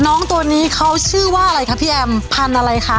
น้องตัวนี้เขาชื่อว่าอะไรคะพี่แอมพันธุ์อะไรคะ